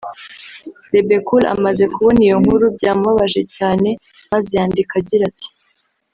Bebe Cool amaze kubona iyo nkuru byamubabaje cyane maze yandika agira ati